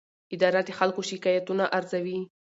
اداره د خلکو شکایتونه ارزوي.